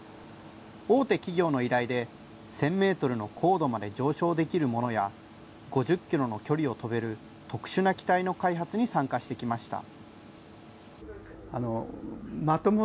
大手企業の依頼で、１０００メートルの高度まで上昇できるものや、５０キロの距離を飛べる特殊な機体の開発に参加してきました。